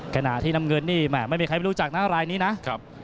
ขณะที่น้ำเงินนี่ไม่มีใครไม่รู้จักนะรายนี้นะครับ